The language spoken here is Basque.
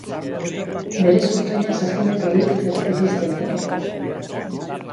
Bere zurtoina zazpi metro edukitzera irits daiteke.